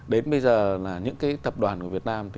đến bây giờ là những cái tập đoàn của việt nam